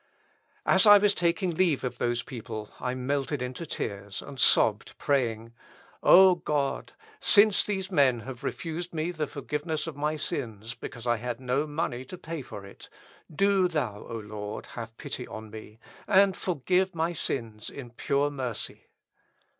As I was taking leave of those people, I melted into tears, and, sobbing, prayed, 'O God! since these men have refused me the forgiveness of my sins, because I had no money to pay for it, do thou, O Lord, have pity on me, and forgive my sins in pure mercy!'